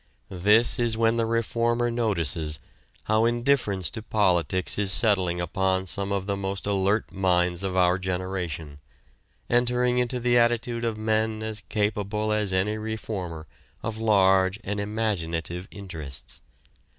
This is when the reformer notices how indifference to politics is settling upon some of the most alert minds of our generation, entering into the attitude of men as capable as any reformer of large and imaginative interests.